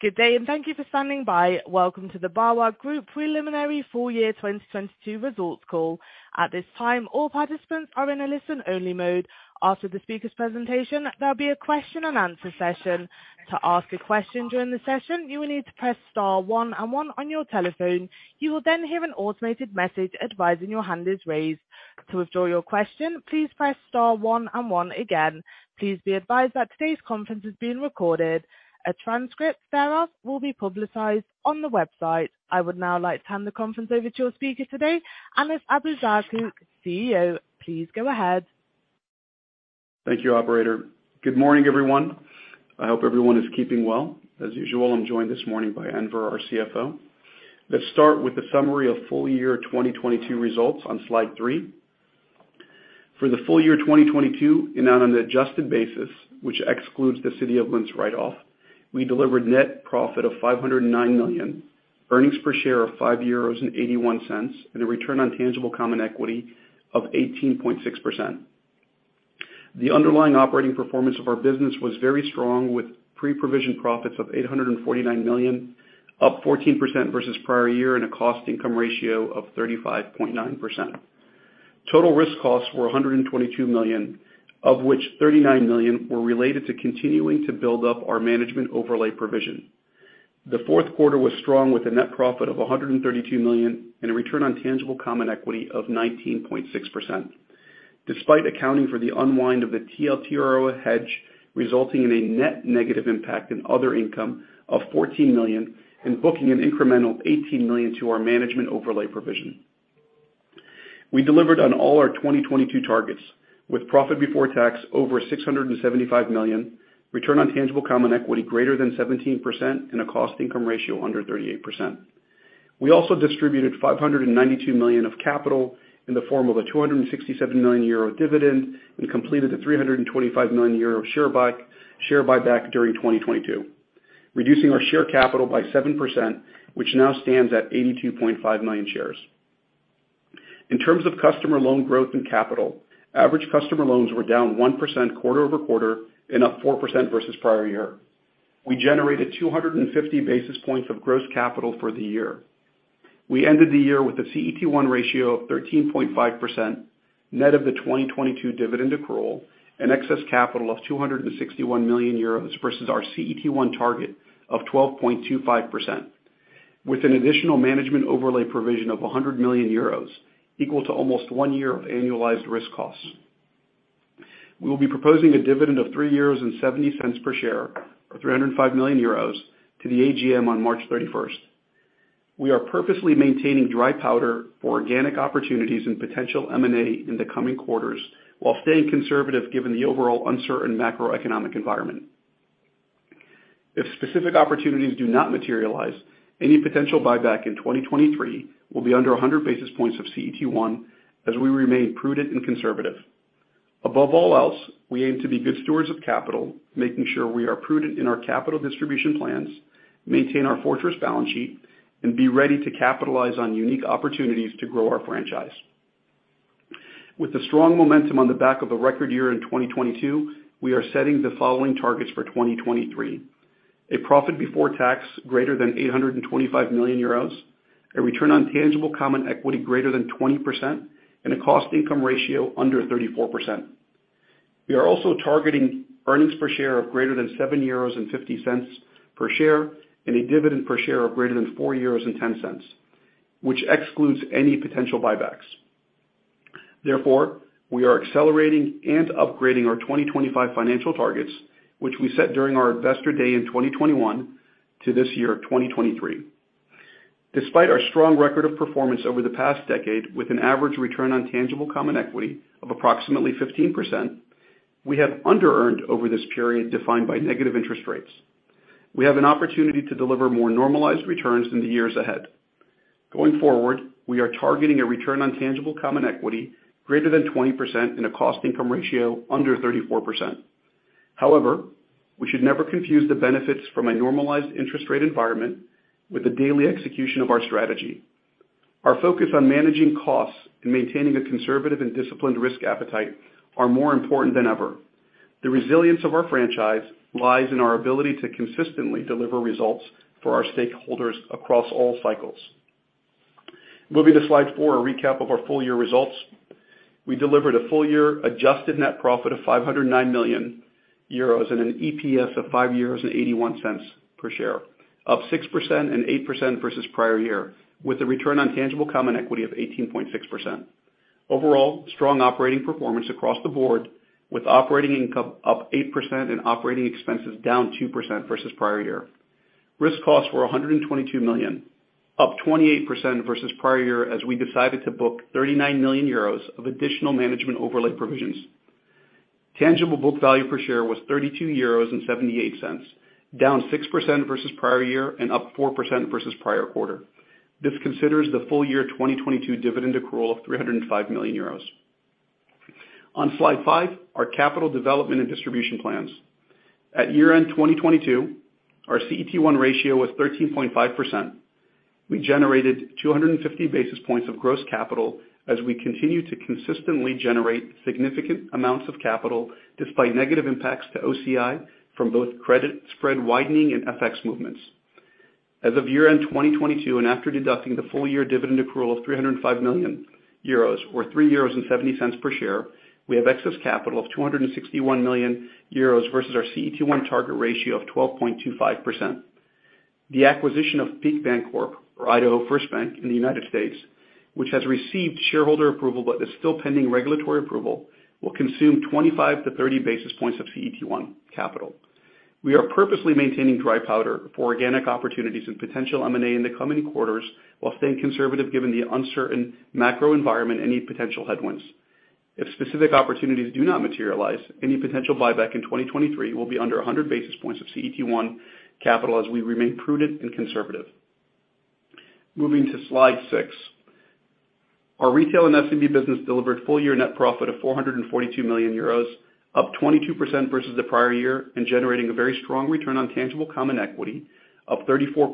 Good day. Thank you for standing by. Welcome to the BAWAG Group preliminary full year 2022 results call. At this time, all participants are in a listen-only mode. After the speaker's presentation, there'll be a question and answer session. To ask a question during the session, you will need to press star 1 and 1 on your telephone. You will then hear an automated message advising your hand is raised. To withdraw your question, please press star one and one again. Please be advised that today's conference is being recorded. A transcript thereof will be publicized on the website. I would now like to hand the conference over to your speaker today, Anas Abuzaakouk, CEO. Please go ahead. Thank you, operator. Good morning, everyone. I hope everyone is keeping well. As usual, I'm joined this morning by Enver, our CFO. Let's start with the summary of full year 2022 results on slide three. For the full year 2022, and on an adjusted basis, which excludes the City of Linz write-off, we delivered net profit of 509 million, earnings per share of 5.81 euros, and a return on tangible common equity of 18.6%. The underlying operating performance of our business was very strong, with pre-provision profits of 849 million, up 14% versus prior year, and a cost income ratio of 35.9%. Total risk costs were 122 million, of which 39 million were related to continuing to build up our management overlay provision. The fourth quarter was strong, with a net profit of 132 million and a return on tangible common equity of 19.6%. Despite accounting for the unwind of the TLTRO hedge, resulting in a net negative impact in other income of 14 million and booking an incremental 18 million to our management overlay provision. We delivered on all our 2022 targets, with profit before tax over 675 million, return on tangible common equity greater than 17%, and a cost income ratio under 38%. We also distributed 592 million of capital in the form of a 267 million euro dividend and completed a 325 million euro share buyback during 2022, reducing our share capital by 7%, which now stands at 82.5 million shares. In terms of customer loan growth and capital, average customer loans were down 1% quarter-over-quarter and up 4% versus prior year. We generated 250 basis points of gross capital for the year. We ended the year with a CET1 ratio of 13.5%, net of the 2022 dividend accrual, and excess capital of 261 million euros versus our CET1 target of 12.25%, with an additional management overlay provision of 100 million euros, equal to almost one year of annualized risk costs. We will be proposing a dividend of 3.70 euros per share, or 305 million euros, to the AGM on March 31st. We are purposely maintaining dry powder for organic opportunities and potential M&A in the coming quarters, while staying conservative given the overall uncertain macroeconomic environment. If specific opportunities do not materialize, any potential buyback in 2023 will be under 100 basis points of CET1 as we remain prudent and conservative. Above all else, we aim to be good stewards of capital, making sure we are prudent in our capital distribution plans, maintain our fortress balance sheet, and be ready to capitalize on unique opportunities to grow our franchise. With the strong momentum on the back of a record year in 2022, we are setting the following targets for 2023: A profit before tax greater than 825 million euros, a return on tangible common equity greater than 20%, and a cost income ratio under 34%. We are also targeting earnings per share of greater than 7.50 euros per share and a dividend per share of greater than 4.10, which excludes any potential buybacks. We are accelerating and upgrading our 2025 financial targets, which we set during our investor day in 2021 to this year, 2023. Despite our strong record of performance over the past decade, with an average return on tangible common equity of approximately 15%, we have under-earned over this period defined by negative interest rates. We have an opportunity to deliver more normalized returns in the years ahead. Going forward, we are targeting a return on tangible common equity greater than 20% and a cost income ratio under 34%. We should never confuse the benefits from a normalized interest rate environment with the daily execution of our strategy. Our focus on managing costs and maintaining a conservative and disciplined risk appetite are more important than ever. The resilience of our franchise lies in our ability to consistently deliver results for our stakeholders across all cycles. Moving to slide four, a recap of our full year results. We delivered a full year adjusted net profit of 509 million euros and an EPS of 5.81 per share, up 6% and 8% versus prior year, with a return on tangible common equity of 18.6%. Overall, strong operating performance across the board, with operating income up 8% and operating expenses down 2% versus prior year. Risk costs were 122 million, up 28% versus prior year as we decided to book 39 million euros of additional management overlay provisions. Tangible book value per share was 32.78 euros, down 6% versus prior year and up 4% versus prior quarter. This considers the full year 2022 dividend accrual of 305 million euros. On slide five, our capital development and distribution plans. At year-end 2022, our CET1 ratio was 13.5%. We generated 250 basis points of gross capital as we continue to consistently generate significant amounts of capital despite negative impacts to OCI from both credit spread widening and FX movements. As of year-end 2022, and after deducting the full-year dividend accrual of 305 million euros or 3.70 euros per share, we have excess capital of 261 million euros versus our CET1 target ratio of 12.25%. The acquisition of Peak Bancorp or Idaho First Bank in the United States, which has received shareholder approval but is still pending regulatory approval, will consume 25-30 basis points of CET1 capital. We are purposely maintaining dry powder for organic opportunities and potential M&A in the coming quarters while staying conservative given the uncertain macro environment any potential headwinds. If specific opportunities do not materialize, any potential buyback in 2023 will be under 100 basis points of CET1 capital as we remain prudent and conservative. Moving to slide six. Our retail and SME business delivered full-year net profit of 442 million euros, up 22% versus the prior year, and generating a very strong return on tangible common equity of 34%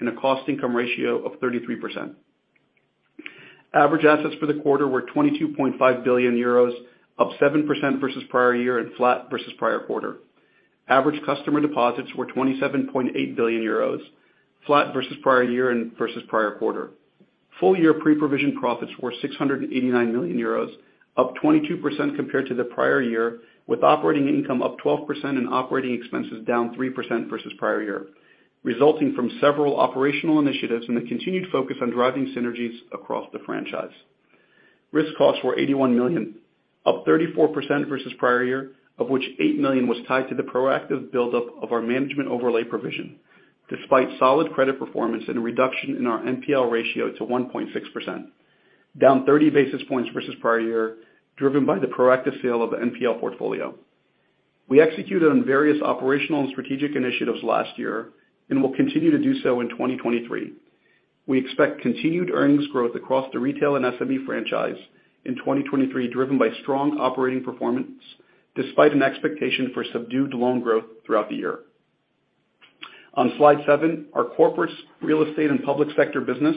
and a cost-income ratio of 33%. Average assets for the quarter were 22.5 billion euros, up 7% versus prior year and flat versus prior quarter. Average customer deposits were 27.8 billion euros, flat versus prior year and versus prior quarter. Full-year pre-provision profits were 689 million euros, up 22% compared to the prior year, with operating income up 12% and operating expenses down 3% versus prior year, resulting from several operational initiatives and the continued focus on driving synergies across the franchise. Risk costs were 81 million, up 34% versus prior year, of which eight million was tied to the proactive buildup of our management overlay provision, despite solid credit performance and a reduction in our NPL ratio to 1.6%, down 30 basis points versus prior year, driven by the proactive sale of NPL portfolio. We executed on various operational and strategic initiatives last year and will continue to do so in 2023. We expect continued earnings growth across the retail and SME franchise in 2023, driven by strong operating performance despite an expectation for subdued loan growth throughout the year. On slide seven, our corporate real estate and public sector business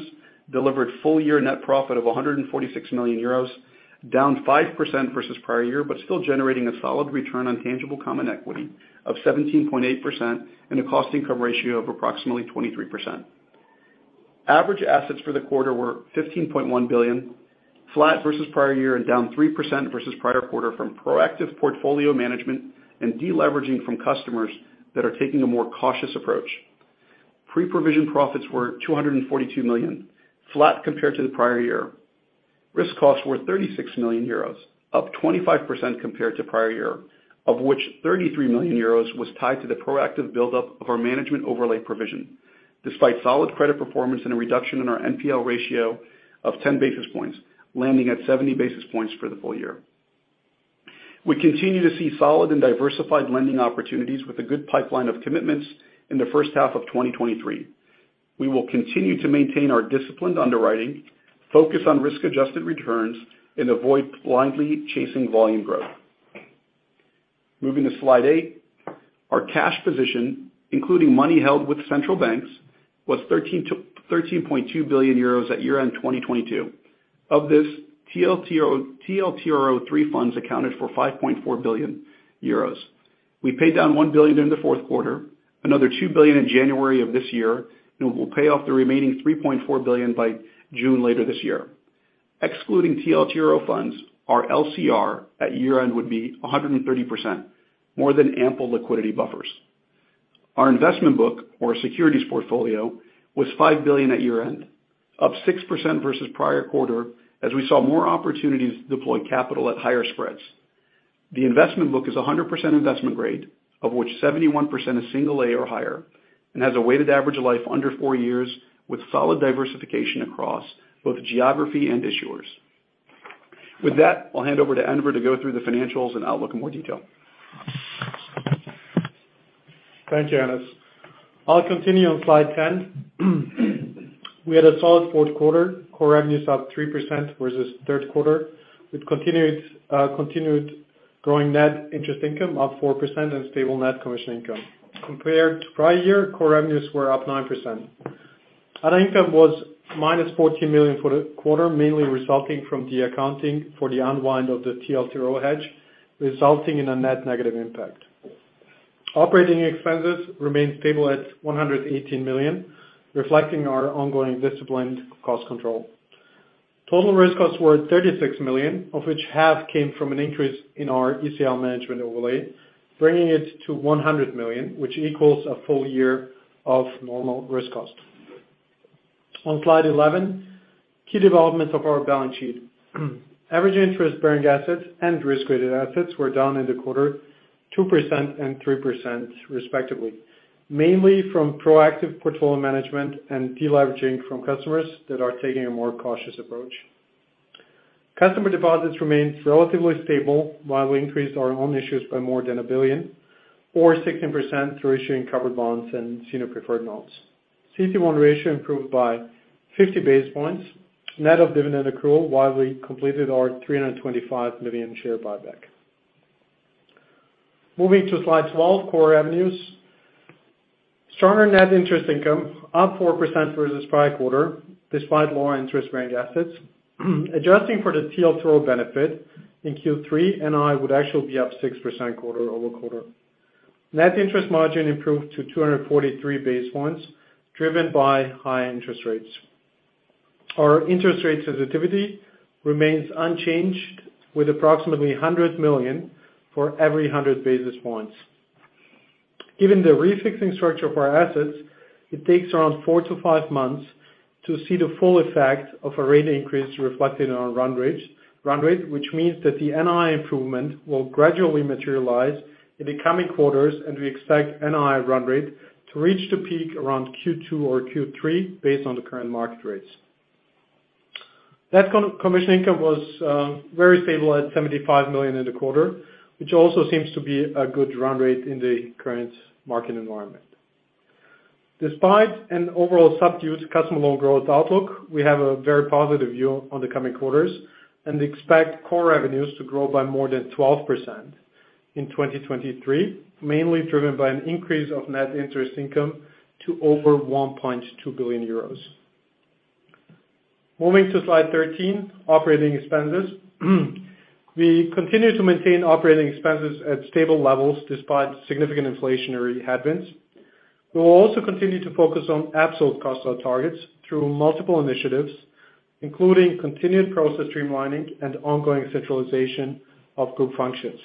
delivered full-year net profit of 146 million euros, down 5% versus prior year, but still generating a solid return on tangible common equity of 17.8% and a cost income ratio of approximately 23%. Average assets for the quarter were EUR 15.1 billion, flat versus prior year and down 3% versus prior quarter from proactive portfolio management and deleveraging from customers that are taking a more cautious approach. Pre-provision profits were EUR 242 million, flat compared to the prior year. Risk costs were 36 million euros, up 25% compared to prior year, of which 33 million euros was tied to the proactive buildup of our management overlay provision, despite solid credit performance and a reduction in our NPL ratio of 10 basis points, landing at 70 basis points for the full year. We continue to see solid and diversified lending opportunities with a good pipeline of commitments in the first half of 2023. We will continue to maintain our disciplined underwriting, focus on risk-adjusted returns, and avoid blindly chasing volume growth. Moving to slide 8. Our cash position, including money held with central banks, was 13.2 billion euros at year-end 2022. Of this, TLTRO III funds accounted for 5.4 billion euros. We paid down 1 billion in the fourth quarter, another 2 billion in January of this year. We will pay off the remaining 3.4 billion by June later this year. Excluding TLTRO funds, our LCR at year-end would be 130%, more than ample liquidity buffers. Our investment book or securities portfolio was 5 billion at year-end, up 6% versus prior quarter as we saw more opportunities to deploy capital at higher spreads. The investment book is 100% investment grade, of which 71% is single A or higher, has a weighted average life under 4 years with solid diversification across both geography and issuers. With that, I'll hand over to Enver to go through the financials and outlook in more detail. Thank you, Anas. I'll continue on slide 10. We had a solid fourth quarter. Core revenues up 3% versus third quarter, with continued growing net interest income up 4% and stable net commission income. Compared to prior year, core revenues were up 9%. Our income was -14 million for the quarter, mainly resulting from the accounting for the unwind of the TLTRO hedge, resulting in a net negative impact. Operating expenses remained stable at 118 million, reflecting our ongoing disciplined cost control. Total risk costs were 36 million, of which half came from an increase in our ECL management overlay, bringing it to 100 million, which equals a full year of normal risk cost. On slide 11, key developments of our balance sheet. Average interest-bearing assets and risk-weighted assets were down in the quarter 2% and 3% respectively, mainly from proactive portfolio management and deleveraging from customers that are taking a more cautious approach. Customer deposits remained relatively stable, while we increased our own issues by more than 1 billion or 16% through issuing covered bonds and senior preferred notes. CET1 ratio improved by 50 basis points, net of dividend accrual, while we completed our 325 million share buyback. Moving to slide 12, core revenues. Stronger net interest income up 4% versus prior quarter despite lower interest-earning assets. Adjusting for the TLTRO benefit in Q3, NI would actually be up 6% quarter-over-quarter. Net interest margin improved to 243 basis points driven by high interest rates. Our interest rate sensitivity remains unchanged with approximately 100 million for every 100 basis points. Given the refixing structure of our assets, it takes around 4 to 5 months to see the full effect of a rate increase reflected in our run rate, which means that the NI improvement will gradually materialize in the coming quarters, and we expect NI run rate to reach the peak around Q2 or Q3 based on the current market rates. Net commission income was very stable at 75 million in the quarter, which also seems to be a good run rate in the current market environment. Despite an overall subdued customer loan growth outlook, we have a very positive view on the coming quarters and expect core revenues to grow by more than 12% in 2023, mainly driven by an increase of net interest income to over 1.2 billion euros. Moving to slide 13, operating expenses. We continue to maintain operating expenses at stable levels despite significant inflationary headwinds. We will also continue to focus on absolute cost out targets through multiple initiatives, including continued process streamlining and ongoing centralization of group functions.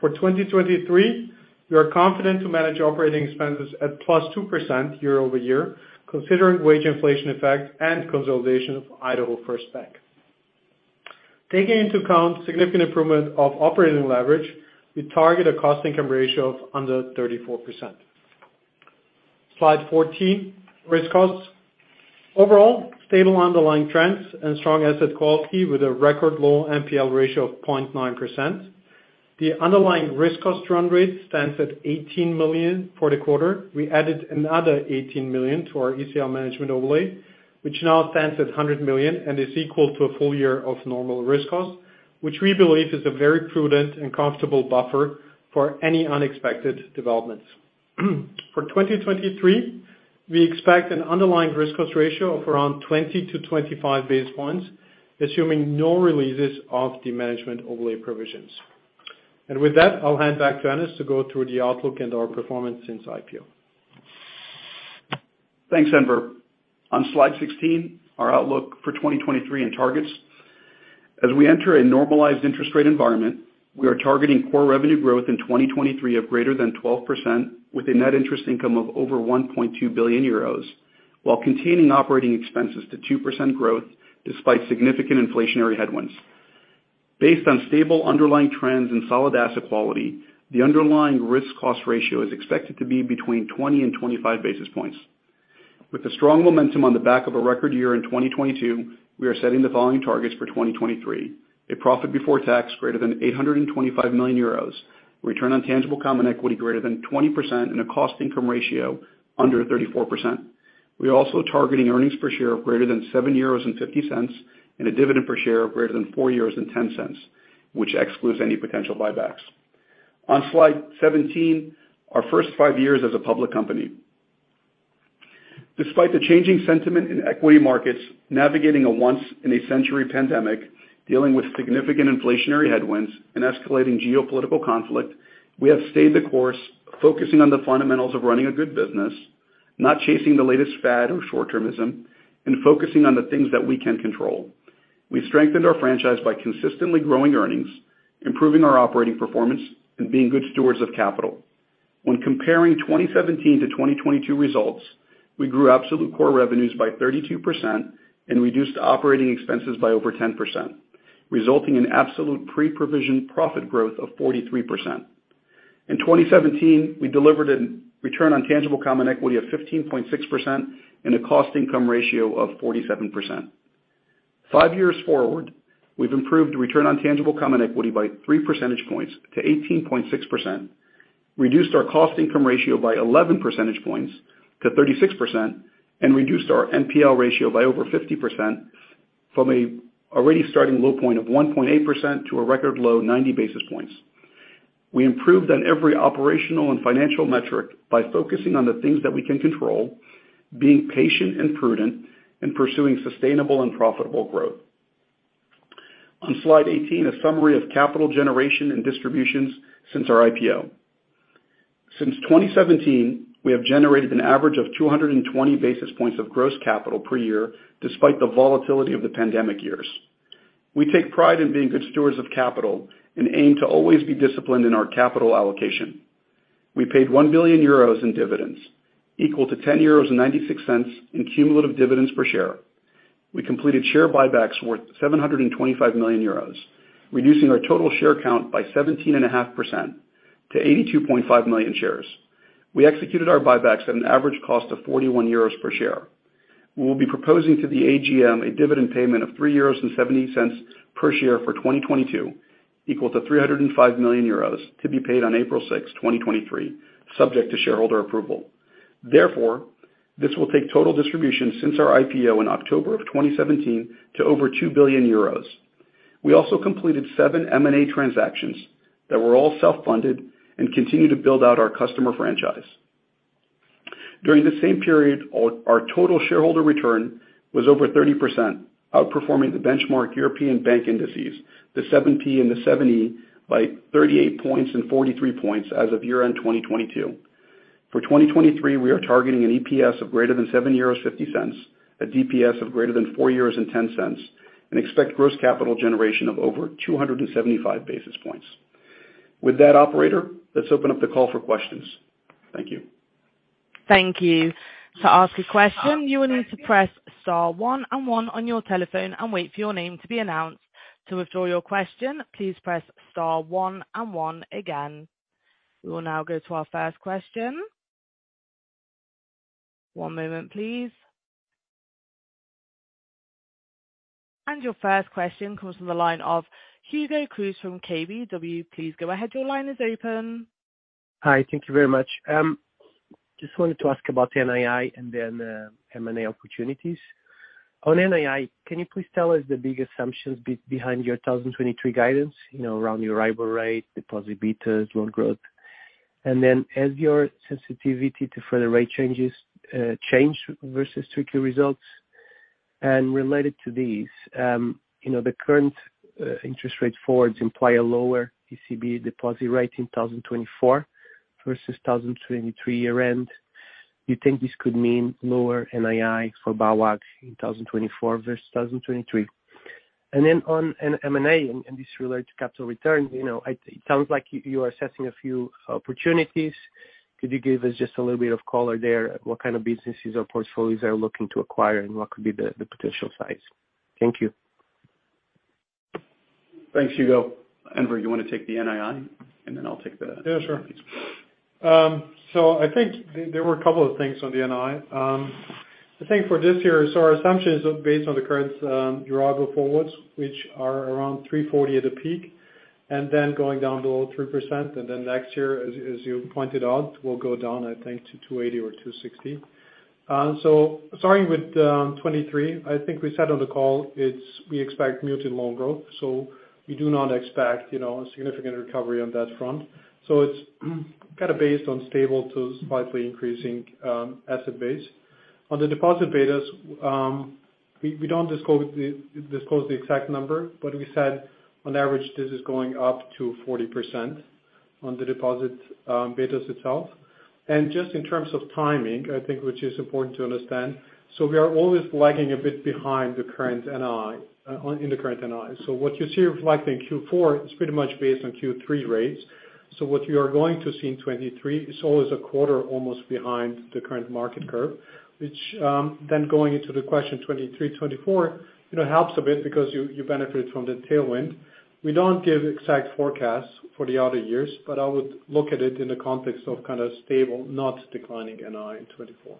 For 2023, we are confident to manage operating expenses at +2% year-over-year, considering wage inflation effect and consolidation of Idaho First Bank. Taking into account significant improvement of operating leverage, we target a cost-income ratio of under 34%. Slide 14, risk costs. Overall, stable underlying trends and strong asset quality with a record low NPL ratio of 0.9%. The underlying risk cost run rate stands at 18 million for the quarter. We added another 18 million to our ECL management overlay, which now stands at 100 million and is equal to a full year of normal risk costs, which we believe is a very prudent and comfortable buffer for any unexpected developments. For 2023, we expect an underlying risk cost ratio of around 20-25 basis points, assuming no releases of the management overlay provisions. With that, I'll hand back to Enver to go through the outlook and our performance since IPO. Thanks, Enver. On slide 16, our outlook for 2023 and targets. As we enter a normalized interest rate environment, we are targeting core revenue growth in 2023 of greater than 12% with a net interest income of over 1.2 billion euros while containing operating expenses to 2% growth despite significant inflationary headwinds. Based on stable underlying trends and solid asset quality, the underlying risk cost ratio is expected to be between 20 and 25 basis points. With the strong momentum on the back of a record year in 2022, we are setting the following targets for 2023, a profit before tax greater than 825 million euros, return on tangible common equity greater than 20% and a cost income ratio under 34%. We are also targeting EPS of greater than 7.50 euros, and a DPS of greater than 4.10 euros, which excludes any potential buybacks. On slide 17, our first five years as a public company. Despite the changing sentiment in equity markets, navigating a once-in-a-century pandemic, dealing with significant inflationary headwinds and escalating geopolitical conflict, we have stayed the course, focusing on the fundamentals of running a good business, not chasing the latest fad or short-termism, and focusing on the things that we can control. We've strengthened our franchise by consistently growing earnings, improving our operating performance, and being good stewards of capital. When comparing 2017 to 2022 results, we grew absolute core revenues by 32% and reduced operating expenses by over 10%, resulting in absolute pre-provision profit growth of 43%. In 2017, we delivered a return on tangible common equity of 15.6% and a cost income ratio of 47%. Five years forward, we've improved return on tangible common equity by three percentage points to 18.6%, reduced our cost income ratio by 11 percentage points to 36% and reduced our NPL ratio by over 50% from a already starting low point of 1.8% to a record low 90 basis points. We improved on every operational and financial metric by focusing on the things that we can control, being patient and prudent in pursuing sustainable and profitable growth. On slide 18, a summary of capital generation and distributions since our IPO. Since 2017, we have generated an average of 220 basis points of gross capital per year despite the volatility of the pandemic years. We take pride in being good stewards of capital and aim to always be disciplined in our capital allocation. We paid 1 billion euros in dividends equal to 10.96 euros in cumulative dividends per share. We completed share buybacks worth 725 million euros, reducing our total share count by 17.5% to 82.5 million shares. We executed our buybacks at an average cost of 41 euros per share. We will be proposing to the AGM a dividend payment of 3.70 euros per share for 2022, equal to 305 million euros to be paid on April 6, 2023, subject to shareholder approval. This will take total distribution since our IPO in October of 2017 to over 2 billion euros. We also completed seven M&A transactions that were all self-funded and continue to build out our customer franchise. During the same period, our total shareholder return was over 30%, outperforming the benchmark European bank indices, the SX7P and the SX7E by 38 points and 43 points as of year-end 2022. For 2023, we are targeting an EPS of greater than 7.50 euros, a DPS of greater than 4.10 euros, and expect gross capital generation of over 275 basis points. With that, operator, let's open up the call for questions. Thank you. Thank you. To ask a question, you will need to press star one and one on your telephone and wait for your name to be announced. To withdraw your question, please press star one and one again. We will now go to our first question. One moment, please. Your first question comes from the line of Hugo Cruz from KBW. Please go ahead. Your line is open. Hi. Thank you very much. Just wanted to ask about NII and then M&A opportunities. On NII, can you please tell us the big assumptions behind your 2023 guidance, you know, around your arrival rate, deposit betas, loan growth? Has your sensitivity to further rate changes changed versus 3-quarter results? Related to these, you know, the current interest rate forwards imply a lower ECB deposit rate in 2024 versus 2023 year end. You think this could mean lower NII for BAWAG in 2024 versus 2023? On an M&A, and this relates to capital returns, you know, it sounds like you are assessing a few opportunities. Could you give us just a little bit of color there? What kind of businesses or portfolios are you looking to acquire, and what could be the potential size? Thank you. Thanks, Hugo. Enver, you wanna take the NII, and then I'll take the- Yeah, sure. I think there were a couple of things on the NII. I think for this year, our assumption is based on the current Euribor forwards, which are around 340 at a peak, and then going down below 3%, and then next year, as you pointed out, will go down, I think, to 280 or 260. Starting with 2023, I think we said on the call, we expect muted loan growth, so we do not expect, you know, a significant recovery on that front. It's kind of based on stable to slightly increasing asset base. On the deposit betas, we don't disclose the exact number, but we said on average, this is going up to 40% on the deposit betas itself. Just in terms of timing, I think, which is important to understand, we are always lagging a bit behind the current NII, on, in the current NII. What you see reflecting in Q4 is pretty much based on Q3 rates. What you are going to see in 2023 is always a quarter almost behind the current market curve, which, going into the question 2023, 2024, you know, helps a bit because you benefit from the tailwind. We don't give exact forecasts for the outer years, but I would look at it in the context of kind of stable, not declining NII in 2024.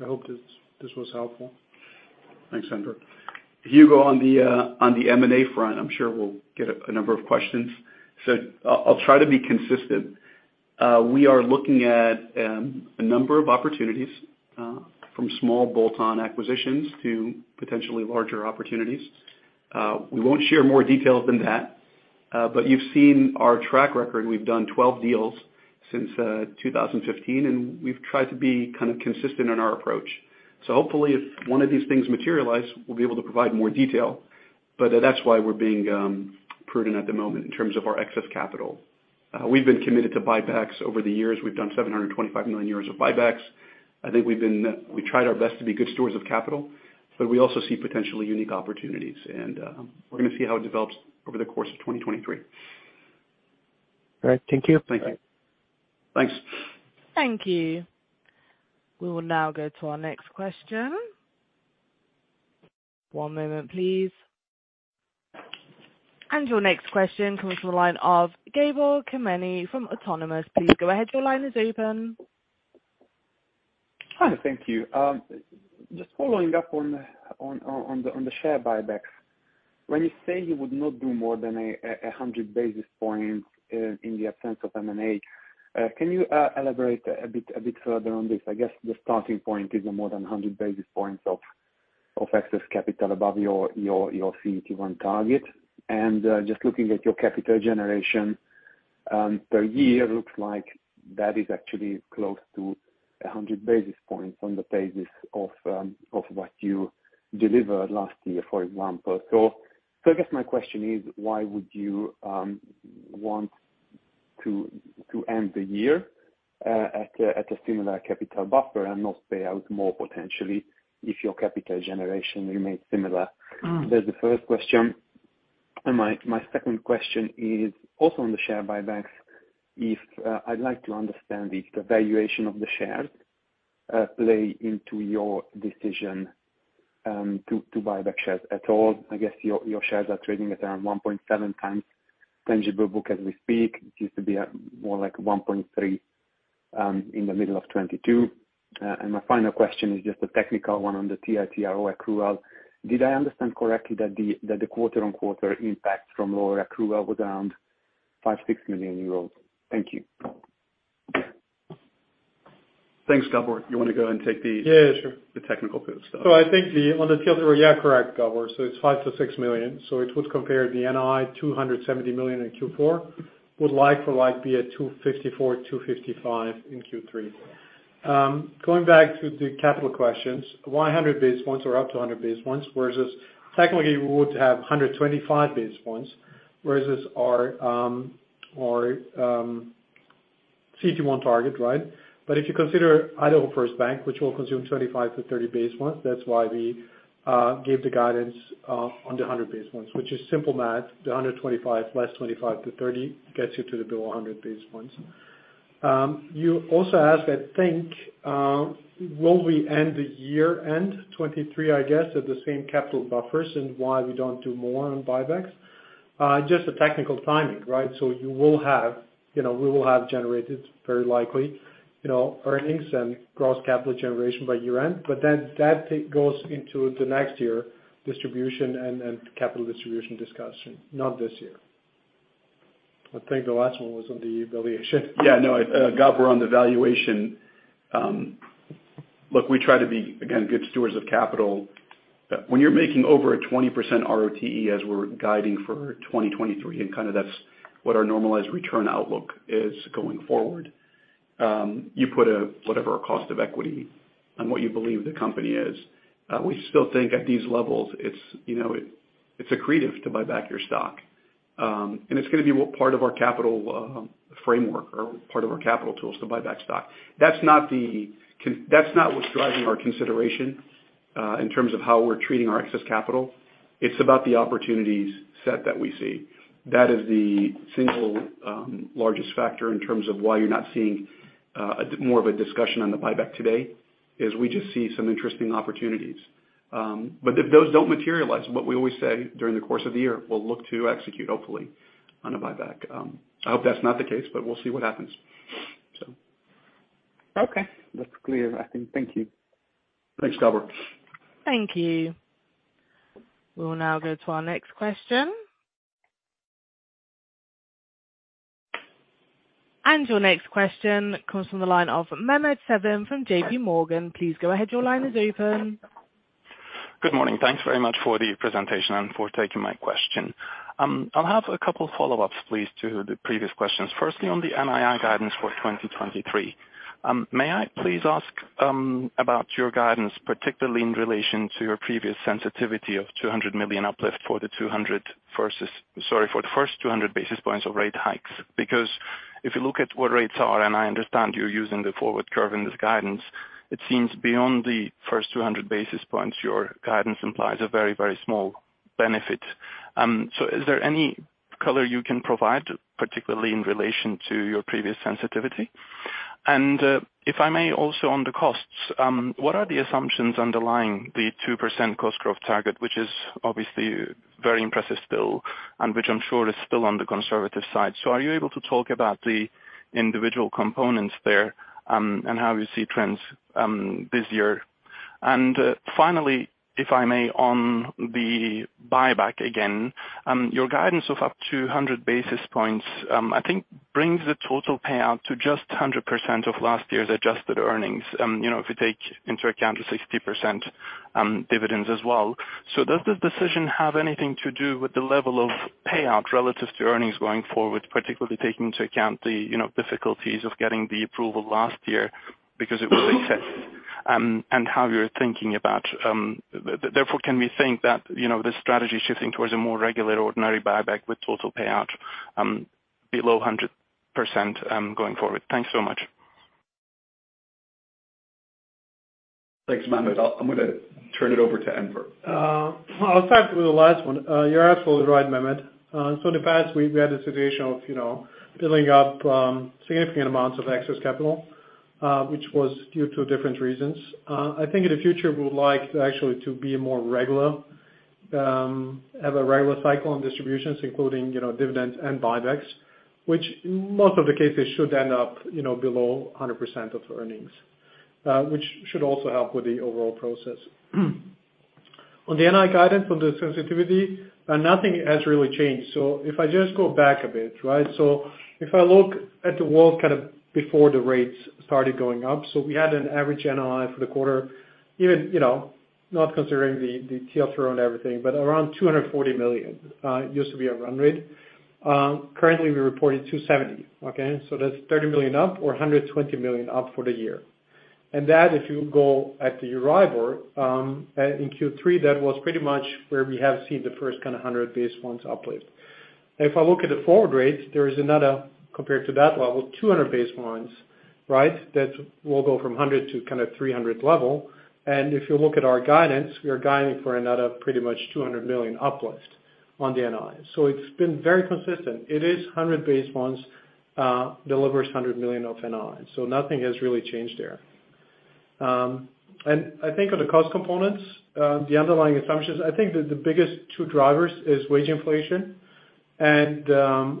I hope this was helpful. Thanks, Enver. Hugo, on the M&A front, I'm sure we'll get a number of questions. I'll try to be consistent. We are looking at a number of opportunities from small bolt-on acquisitions to potentially larger opportunities. We won't share more details than that. You've seen our track record. We've done 12 deals since 2015, and we've tried to be kind of consistent in our approach. Hopefully if one of these things materialize, we'll be able to provide more detail. That's why we're being prudent at the moment in terms of our excess capital. We've been committed to buybacks over the years. We've done 725 million euros of buybacks. I think we've been, we tried our best to be good stewards of capital, but we also see potentially unique opportunities and, we're gonna see how it develops over the course of 2023. All right. Thank you. Thank you. Thanks. Thank you. We will now go to our next question. One moment, please. Your next question comes from the line of Gabor Kemeny from Autonomous. Please go ahead. Your line is open. Hi. Thank you. Just following up on the share buybacks. When you say you would not do more than 100 basis points in the absence of M&A, can you elaborate a bit further on this? I guess the starting point is more than 100 basis points of excess capital above your CET1 target. Just looking at your capital generation per year, looks like that is actually close to 100 basis points on the basis of what you delivered last year, for example. I guess my question is, why would you want to end the year at a similar capital buffer and not pay out more potentially if your capital generation remains similar? That's the first question. My second question is also on the share buybacks. If I'd like to understand if the valuation of the shares play into your decision to buy back shares at all. I guess your shares are trading at around 1.7 times tangible book as we speak. It used to be more like 1.3 in the middle of 2022. My final question is just a technical one on the TLTRO accrual. Did I understand correctly that the quarter-on-quarter impact from lower accrual was around five-six million euros? Thank you. Thanks, Gabor. You wanna go and take the- Yeah, sure. The technical good stuff. I think on the TLTRO, yeah, correct, Gabor. It's 5 million-6 million. It would compare the NII 270 million in Q4, would like for like be at 254 million, 255 million in Q3. Going back to the capital questions, 100 base points or up to 100 base points, versus technically we would have 125 base points, versus our CET1 target, right? If you consider Idaho First Bank, which will consume 25-30 base points, that's why we gave the guidance on the 100 base points, which is simple math. The 125 less 25-30 gets you to the below 100 base points. You also asked, I think, will we end the year-end 2023, I guess, at the same capital buffers and why we don't do more on buybacks? Just the technical timing, right? You will have, you know, we will have generated very likely, you know, earnings and gross capital generation by year-end, but then that take goes into the next year distribution and capital distribution discussion, not this year. I think the last one was on the valuation. No. Gabor, on the valuation, look, we try to be, again, good stewards of capital. When you're making over a 20% ROTE as we're guiding for 2023, and kinda that's what our normalized return outlook is going forward, you put a whatever cost of equity on what you believe the company is. We still think at these levels it's, you know, it's accretive to buy back your stock. It's gonna be part of our capital framework or part of our capital tools to buy back stock. That's not what's driving our consideration, in terms of how we're treating our excess capital. It's about the opportunities set that we see. That is the single, largest factor in terms of why you're not seeing, more of a discussion on the buyback today, is we just see some interesting opportunities. But if those don't materialize, what we always say during the course of the year, we'll look to execute hopefully on a buyback. I hope that's not the case, but we'll see what happens. Okay. That's clear, I think. Thank you. Thanks, Gabor. Thank you. We will now go to our next question. Your next question comes from the line of Mehmet Sevim from J.P. Morgan. Please go ahead. Your line is open. Good morning. Thanks very much for the presentation and for taking my question. I'll have a couple follow-ups, please, to the previous questions. Firstly, on the NII guidance for 2023, may I please ask about your guidance, particularly in relation to your previous sensitivity of 200 million uplift. Sorry, for the first 200 basis points of rate hikes? Because if you look at what rates are, and I understand you're using the forward curve in this guidance, it seems beyond the first 200 basis points, your guidance implies a very, very small benefit. Is there any color you can provide, particularly in relation to your previous sensitivity? If I may also on the costs, what are the assumptions underlying the 2% cost growth target, which is obviously very impressive still, and which I'm sure is still on the conservative side. Are you able to talk about the individual components there, and how you see trends, this year? Finally, if I may, on the buyback again, your guidance of up to 100 basis points, I think brings the total payout to just 100% of last year's adjusted earnings, you know, if you take into account the 60%, dividends as well. Does this decision have anything to do with the level of payout relative to earnings going forward, particularly taking into account the, you know, difficulties of getting the approval last year because it was excess, and how you're thinking about therefore, can we think that, you know, the strategy is shifting towards a more regular ordinary buyback with total payout below 100% going forward? Thanks so much. Thanks, Mehmet. I'm gonna turn it over to Enver. I'll start with the last one. You're absolutely right, Mehmet. In the past we had a situation of, you know, building up significant amounts of excess capital, which was due to different reasons. I think in the future we would like to actually to be more regular, have a regular cycle on distributions including, you know, dividends and buybacks, which most of the cases should end up, you know, below 100% of earnings, which should also help with the overall process. On the NII guidance, on the sensitivity, nothing has really changed. If I just go back a bit, right? If I look at the world kind of before the rates started going up, we had an average NII for the quarter, even, you know, not considering the TLTRO and everything, but around 240 million used to be our run rate. Currently we reported 270 million, okay? That's 30 million up or 120 million up for the year. That, if you go at the Euribor in Q3, that was pretty much where we have seen the first kind of 100 basis points uplift. If I look at the forward rates, there is another, compared to that level, 200 basis points, right? That will go from 100 to kind of 300 level. If you look at our guidance, we are guiding for another pretty much 200 million uplift on the NII. It's been very consistent. It is 100 basis points, delivers 100 million of NII. Nothing has really changed there. I think on the cost components, the underlying assumptions, I think that the biggest two drivers is wage inflation and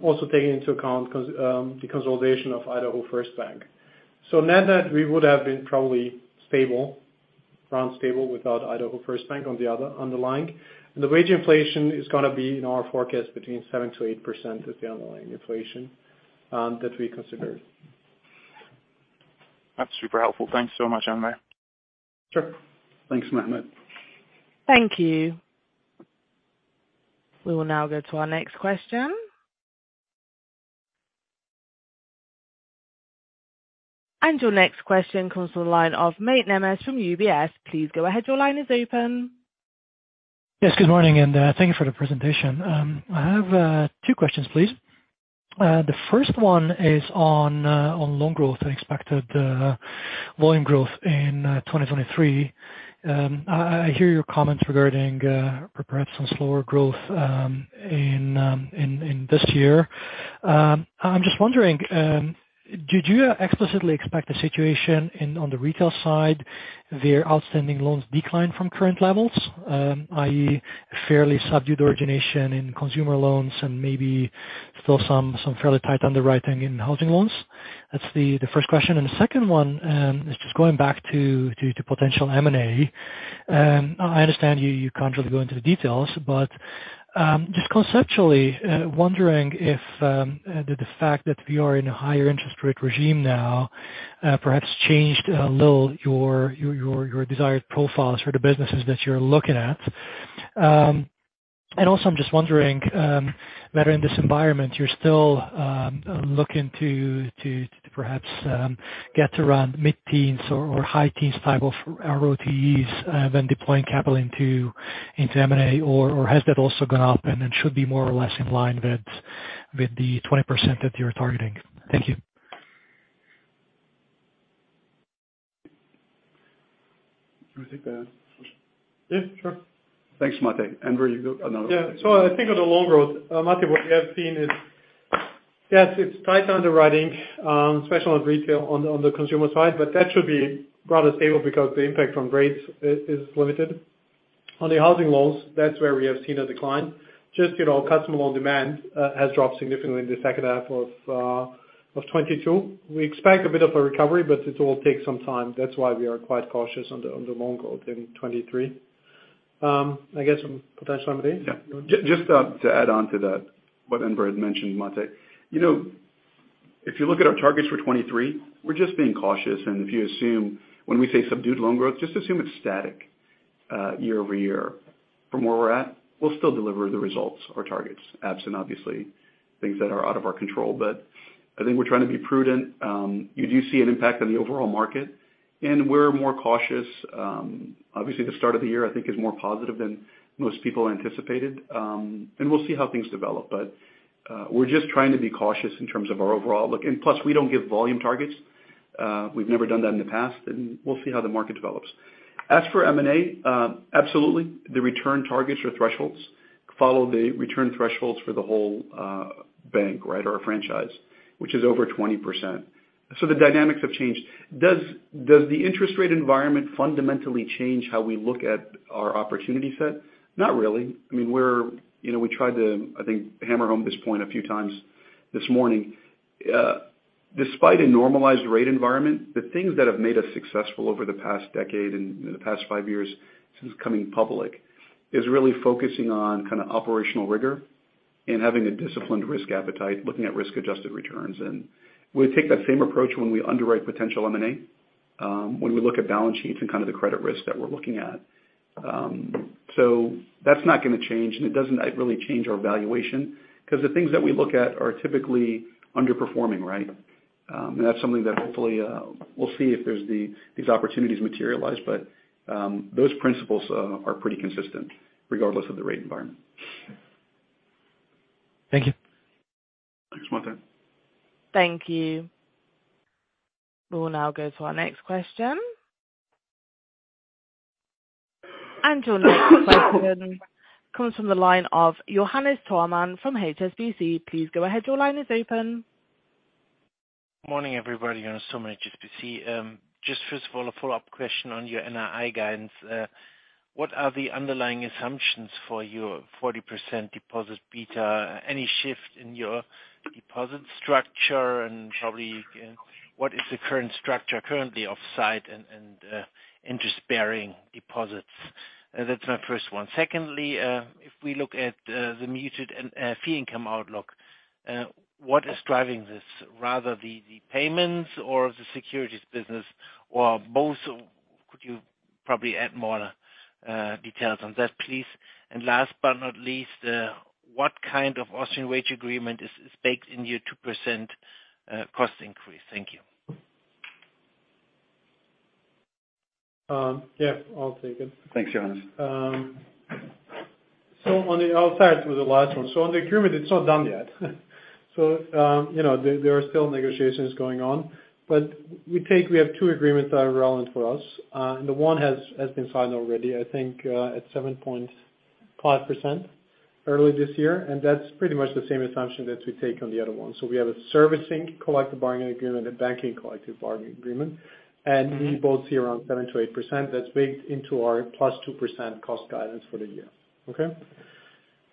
also taking into account the consolidation of Idaho First Bank. Net-net, we would have been probably stable, around stable without Idaho First Bank on the underlying. The wage inflation is gonna be in our forecast between 7%-8% is the underlying inflation that we consider. That's super helpful. Thanks so much, Andre. Sure. Thanks, Mohammed. Thank you. We will now go to our next question. Your next question comes from the line of Mate Nemes from UBS. Please go ahead. Your line is open. Yes, good morning, thank you for the presentation. I have two questions, please. The first one is on on loan growth and expected volume growth in 2023. I hear your comments regarding perhaps some slower growth in this year. I'm just wondering, did you explicitly expect the situation on the retail side where outstanding loans decline from current levels, i.e., fairly subdued origination in consumer loans and maybe still some fairly tight underwriting in housing loans? That's the first question. The second one is just going back to potential M&A. I understand you can't really go into the details, but just conceptually, wondering if the fact that we are in a higher interest rate regime now, perhaps changed a little your desired profiles for the businesses that you're looking at. Also I'm just wondering whether in this environment you're still looking to perhaps get around mid-teens or high teens type of ROTEs, when deploying capital into M&A, or has that also gone up and it should be more or less in line with the 20% that you're targeting? Thank you. Do you wanna take that question? Yeah, sure. Thanks, Mate. Andre, you go. I think on the loan growth, Mate, what we have seen is, yes, it's tight underwriting, especially on retail on the consumer side, but that should be rather stable because the impact on rates is limited. On the housing loans, that's where we have seen a decline. Just, you know, customer loan demand has dropped significantly in the second half of 2022. We expect a bit of a recovery, but it will take some time. That's why we are quite cautious on the loan growth in 2023. I guess potential M&A? Yeah. Just to add on to that, what Andre has mentioned, Mate. You know, if you look at our targets for 2023, we're just being cautious. If you assume when we say subdued loan growth, just assume it's static year-over-year from where we're at, we'll still deliver the results or targets, absent obviously things that are out of our control. I think we're trying to be prudent. You do see an impact on the overall market, and we're more cautious. Obviously the start of the year I think is more positive than most people anticipated, and we'll see how things develop. We're just trying to be cautious in terms of our overall look. Plus, we don't give volume targets, we've never done that in the past, and we'll see how the market develops. As for M&A, absolutely, the return targets or thresholds follow the return thresholds for the whole bank, right? Franchise, which is over 20%. The dynamics have changed. Does the interest rate environment fundamentally change how we look at our opportunity set? Not really. I mean, you know, we tried to, I think, hammer home this point a few times this morning. Despite a normalized rate environment, the things that have made us successful over the past decade and the past five years since coming public, is really focusing on kind of operational rigor and having a disciplined risk appetite, looking at risk-adjusted returns. We take that same approach when we underwrite potential M&A, when we look at balance sheets and kind of the credit risk that we're looking at. That's not gonna change, and it doesn't really change our valuation, 'cause the things that we look at are typically underperforming, right? That's something that hopefully, we'll see if there's these opportunities materialize, but those principles are pretty consistent regardless of the rate environment. Thank you. Thanks, Mate. Thank you. We will now go to our next question. Your next question comes from the line of Johannes Thormann from HSBC. Please go ahead. Your line is open. Morning, everybody. Johannes Thormann, HSBC. Just first of all, a follow-up question on your NII guidance. What are the underlying assumptions for your 40% deposit beta? Any shift in your deposit structure? Probably, what is the current structure currently offsite and interest-bearing deposits? That's my first one. Secondly, if we look at the muted fee income outlook, what is driving this? Rather the payments or the securities business or both? Could you probably add more details on that, please? Last but not least, what kind of Austrian wage agreement is baked in your 2% cost increase? Thank you. Yeah, I'll take it. Thanks, Johannes. On the outside with the last one. On the agreement, it's not done yet. You know, there are still negotiations going on, but we have two agreements that are relevant for us. The one has been signed already, I think, at 7.5% early this year, and that's pretty much the same assumption that we take on the other one. We have a servicing collective bargaining agreement, a banking collective bargaining agreement, and we both see around 7%-8% that's baked into our +2% cost guidance for the year.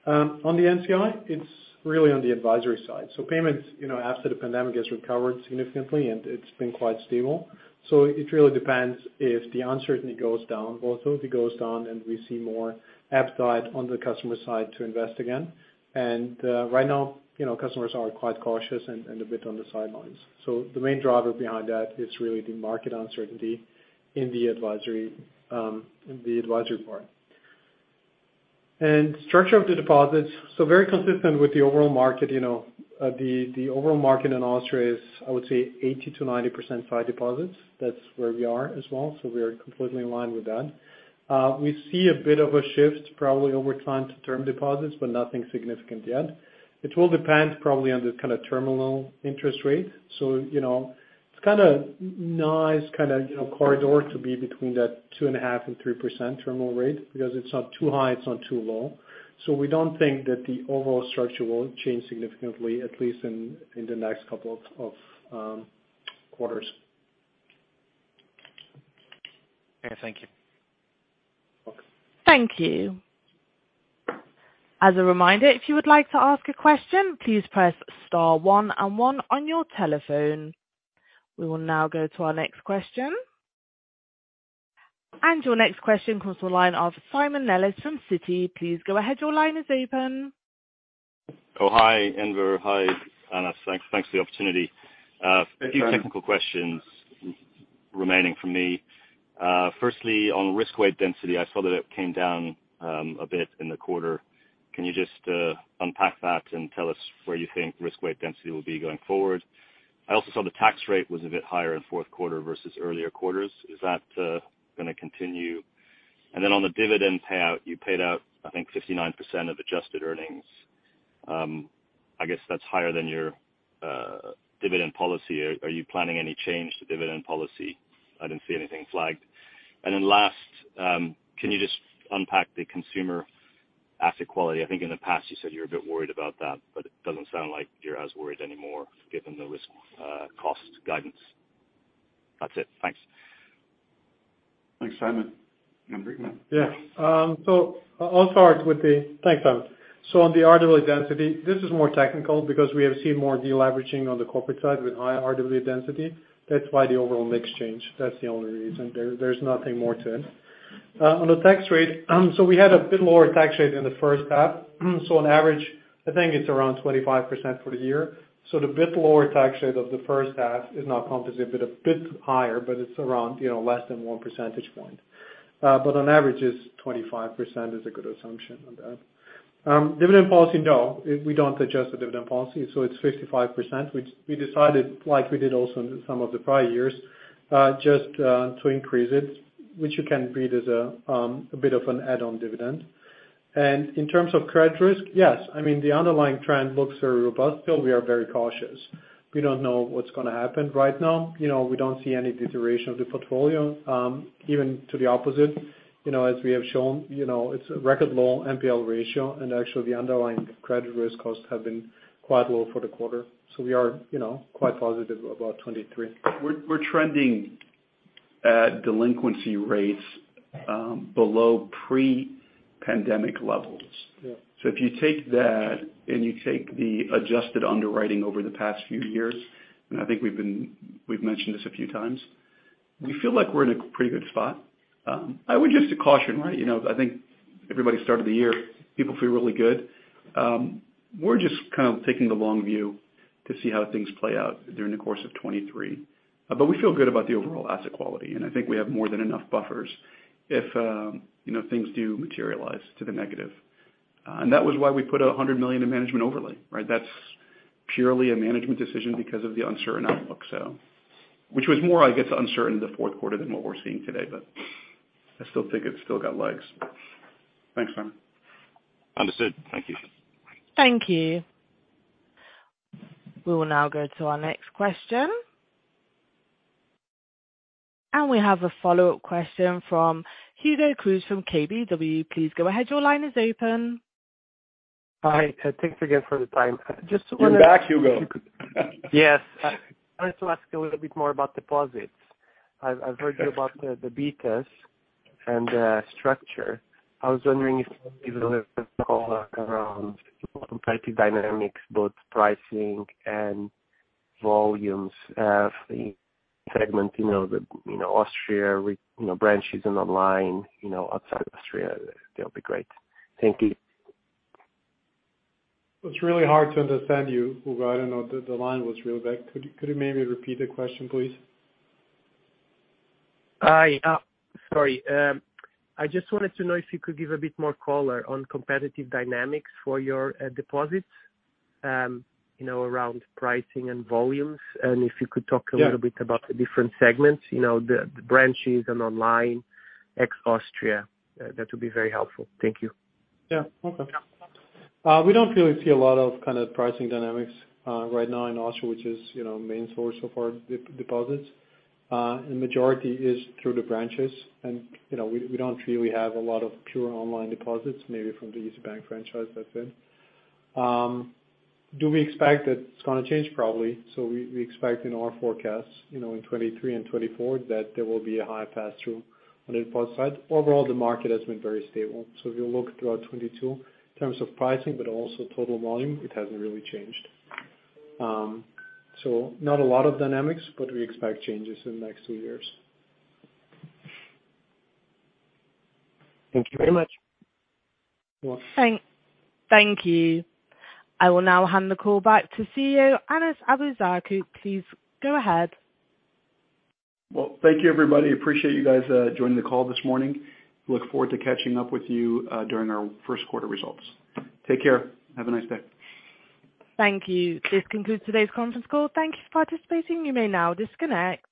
On the NCI, it's really on the advisory side. Payments, you know, after the pandemic has recovered significantly and it's been quite stable. It really depends if the uncertainty goes down. If it goes down, we see more appetite on the customer side to invest again. Right now, you know customers are quite cautious and a bit on the sidelines. The main driver behind that is really the market uncertainty in the advisory, in the advisory part. Structure of the deposits, very consistent with the overall market, you know, the overall market in Austria is, I would say, 80%-90% site deposits. That's where we are as well. We are completely in line with that. We see a bit of a shift probably over time to term deposits, nothing significant yet. It will depend probably on the kinda terminal interest rate. You know, it's kinda nice, kinda, you know, corridor to be between that 2.5% and 3% terminal rate because it's not too high, it's not too low. We don't think that the overall structure will change significantly, at least in the next couple of quarters. Okay, thank you. You're welcome. Thank you. As a reminder, if you would like to ask a question, please press star one and one on your telephone. We will now go to our next question. Your next question comes to the line of Simon Nellis from Citi. Please go ahead. Your line is open. Oh, hi, Enver. Hi, Anas. Thanks for the opportunity. Hi. A few technical questions remaining from me. Firstly, on risk weight density, I saw that it came down a bit in the quarter. Can you just unpack that and tell us where you think risk weight density will be going forward? I also saw the tax rate was a bit higher in fourth quarter versus earlier quarters. Is that gonna continue? Then on the dividend payout, you paid out, I think 59% of adjusted earnings. I guess that's higher than your dividend policy. Are you planning any change to dividend policy? I didn't see anything flagged. Then last, can you just unpack the consumer asset quality? I think in the past you said you were a bit worried about that, but it doesn't sound like you're as worried anymore given the risk cost guidance. That's it. Thanks. Thanks, Simon. Rick, go on. Yeah. Thanks, Simon. On the RWA density, this is more technical because we have seen more deleveraging on the corporate side with high RWA density. That's why the overall mix change. That's the only reason. There's nothing more to it. On the tax rate, we had a bit lower tax rate in the first half. On average, I think it's around 25% for the year. The bit lower tax rate of the first half is now compensated a bit higher, but it's around, you know, less than one percentage point. On average is 25% is a good assumption on that. Dividend policy, no. We don't adjust the dividend policy. It's 55%, which we decided, like we did also in some of the prior years, just to increase it, which you can read as a bit of an add-on dividend. In terms of credit risk, yes. I mean, the underlying trend looks very robust, still we are very cautious. We don't know what's gonna happen right now. You know, we don't see any deterioration of the portfolio, even to the opposite. You know, as we have shown, you know, it's a record low NPL ratio, and actually the underlying credit risk costs have been quite low for the quarter. We are, you know, quite positive about 23. We're trending at delinquency rates below pre-pandemic levels. Yeah. If you take that and you take the adjusted underwriting over the past few years, and I think we've mentioned this a few times, we feel like we're in a pretty good spot. I would just caution, right, you know, I think everybody started the year, people feel really good. We're just kind of taking the long view to see how things play out during the course of 2023. We feel good about the overall asset quality, and I think we have more than enough buffers if, you know, things do materialize to the negative. That was why we put 100 million in management overlay, right? That's purely a management decision because of the uncertain outlook, so. Which was more, I guess, uncertain the fourth quarter than what we're seeing today. I still think it's still got legs. Thanks, Simon. Understood. Thank you. Thank you. We will now go to our next question. We have a follow-up question from Hugo Cruz from KBW. Please go ahead. Your line is open. Hi. Thanks again for the time. You're back, Hugo. Yes. I wanted to ask you a little bit more about deposits. I've heard you about the betas and the structure. I was wondering if you could give a little color around competitive dynamics, both pricing and volumes, for each segment, you know, Austria, you know, branches and online, you know, outside Austria. That'll be great. Thank you. It's really hard to understand you, Hugo. I don't know. The line was real bad. Could you maybe repeat the question, please? I, sorry. I just wanted to know if you could give a bit more color on competitive dynamics for your deposits, you know, around pricing and volumes. Yeah. -about the different segments, you know, the branches and online, ex-Austria. That would be very helpful. Thank you. Yeah. Okay. We don't really see a lot of kind of pricing dynamics right now in Austria, which is, you know, main source of our deposits. Majority is through the branches. You know, we don't really have a lot of pure online deposits, maybe from the easybank franchise, that's it. Do we expect that it's gonna change? Probably. We expect in our forecasts, you know, in 2023 and 2024 that there will be a high pass-through on the deposit side. Overall, the market has been very stable. If you look throughout 2022 in terms of pricing, but also total volume, it hasn't really changed. Not a lot of dynamics, but we expect changes in the next two years. Thank you very much. You're welcome. Thank you. I will now hand the call back to CEO, Anas Abuzaakouk. Please go ahead. Thank you, everybody. Appreciate you guys joining the call this morning. Look forward to catching up with you during our first quarter results. Take care. Have a nice day. Thank you. This concludes today's conference call. Thank you for participating. You may now disconnect.